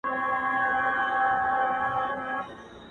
په دې ډول يې محفل ټوله حيران کړ